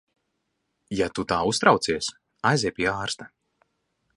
Ja tu tā uztraucies, aizej pie ārsta.